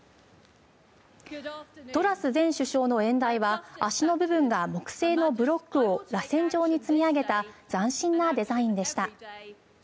トラス前首相の演台は脚の部分が木製のブロックをらせん状に積み上げた斬新なデザインでした。